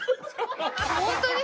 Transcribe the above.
ホントに？